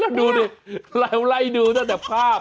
ดูดิเราไล่ดูตั้งแต่ภาพ